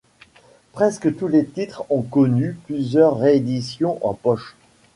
Presque tous les titres ont connu plusieurs rééditions en poche.